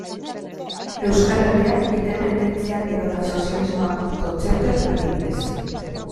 Euskal Herriak, independentziak edota sozialismoak kontzeptuek, adibidez.